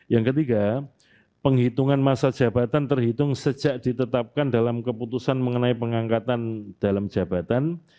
yang ketiga penghitungan masa jabatan terhitung sejak ditetapkan dalam keputusan mengenai pengangkatan dalam jabatan